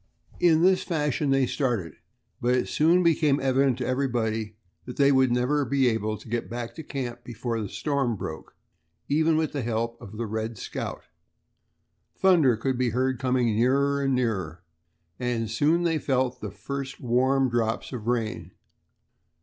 In this fashion they started, but it soon became evident to everybody that they would never be able to get back to camp before the storm broke, even with the help of the "Red Scout." Thunder could be heard coming nearer and nearer, and soon they felt the first warm drops of rain.